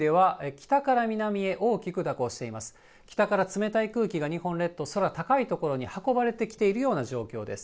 北から冷たい空気が日本列島、空高いところに運ばれてきているような状況です。